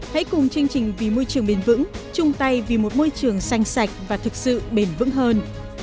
hãy cùng chương trình vì môi trường bền vững chung tay vì một môi trường xanh sạch và thực sự bền vững hơn